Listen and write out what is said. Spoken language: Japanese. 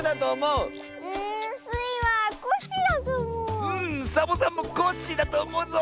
うんサボさんもコッシーだとおもうぞ！